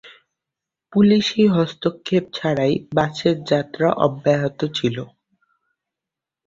পুলিশি হস্তক্ষেপ ছাড়াই বাসের যাত্রা অব্যাহত ছিল।